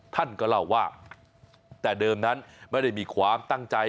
ท่านก็เล่าว่าแต่เดิมนั้นไม่ได้มีความตั้งใจ